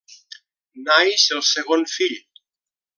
Naix el segon fill.